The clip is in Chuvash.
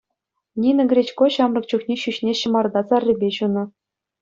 Нина Гречко ҫамрӑк чухне ҫӳҫне ҫӑмарта саррипе ҫунӑ.